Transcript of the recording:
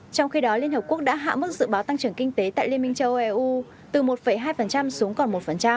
trong khi đó liên hợp quốc đã hạ mức dự báo tăng trưởng kinh tế tại liên minh châu âu eu từ một hai xuống còn một